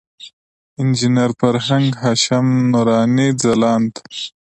انجینر فرهنګ، هاشم نوراني، ځلاند.